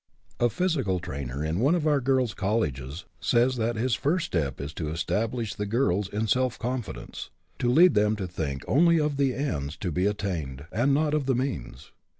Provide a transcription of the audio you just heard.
A physical trainer in one of our girls' col leges says that his first step is to establish the girls in self confidence; to lead them to think only of the ends to be attained and not of the means.